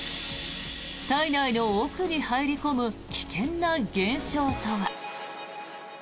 体内の奥に入り込む危険な現象とは。